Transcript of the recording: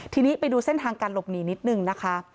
ทีนี้ไปดูเส้นทางการหลบหนีนิดนึงนะคะ